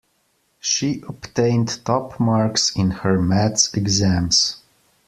She obtained top marks in her maths exams.